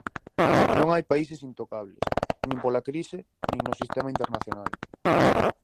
Non hai países intocables, nin pola crise, nin no sistema internacional.